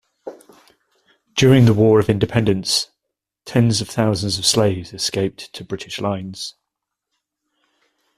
During the War of Independence, tens of thousands of slaves escaped to British lines.